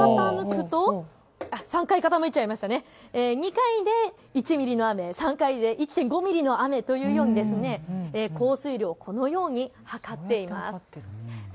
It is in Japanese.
ですのでこのように２回傾くと１ミリの雨、３回で１．５ミリの雨というように降水量このように測っています。